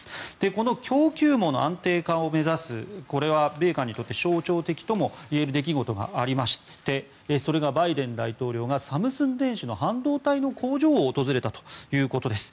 この供給網の安定化を目指すこれは米韓にとって象徴的ともいえる出来事がありましてそれがバイデン大統領がサムスン電子の半導体の工場を訪れたということです。